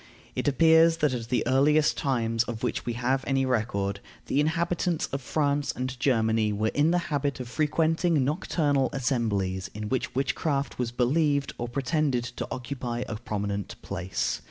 It appears that, at the earliest times of which we have any record, the inhabitants of France and Germany were in the habit of frequenting nocturnal assemblies in which witchcraft was believed or pretended to occupy a prominent place.